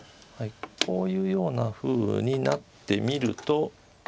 こういうようなふうになってみると。